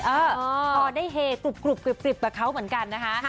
พอได้เฮกรุบกริบกับเขาเหมือนกันนะคะ